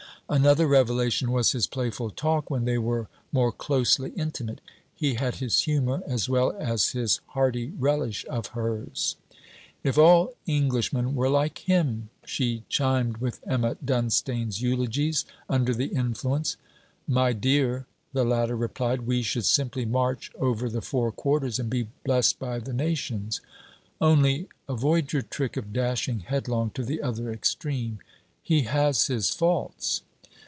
Another revelation was his playful talk when they were more closely intimate. He had his humour as well as his hearty relish of hers. 'If all Englishmen were like him!' she chimed with Emma Dunstane's eulogies, under the influence. 'My dear,' the latter replied, 'we should simply march over the Four Quarters and be blessed by the nations! Only, avoid your trick of dashing headlong to the other extreme. He has his faults.'